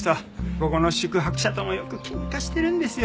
ここの宿泊者ともよく喧嘩してるんですよ。